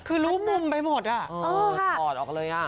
คือรู้มุมไปหมดอ่ะถอดออกเลยอ่ะ